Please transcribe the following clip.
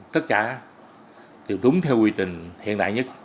tất cả đúng theo quy trình hiện đại nhất